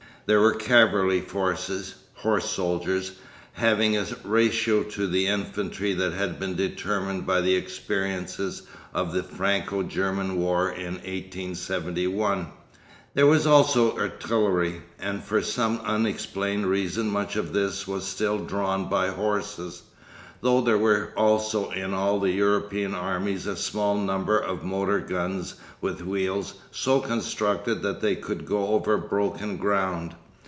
There were cavalry forces (horse soldiers), having a ratio to the infantry that had been determined by the experiences of the Franco German war in 1871. There was also artillery, and for some unexplained reason much of this was still drawn by horses; though there were also in all the European armies a small number of motor guns with wheels so constructed that they could go over broken ground.